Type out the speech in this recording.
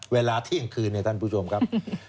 เวลาเที่ยงคืนเนี่ยท่านผู้ชมครับ